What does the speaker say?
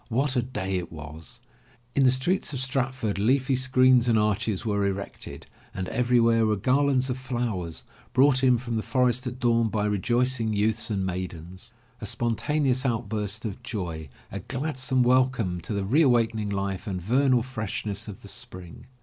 What a day it was ! In the streets of Stratford leafy screens and arches were erected, and everywhere were garlands of flowers, brought in from the forest at dawn by rejoicing youths and maid ens. A spontaneous outburst of joy, a gladsome welcome to the re awakening life and vernal freshness of the Spring!